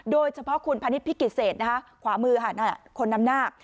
โดยเฉพาะคุณพนิษฐพิกิจเศษนะคะขวามือค่ะนั่นคนนำหน้า